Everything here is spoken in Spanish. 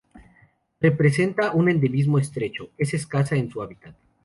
Representa un endemismo estrecho, es escasa en su hábitat.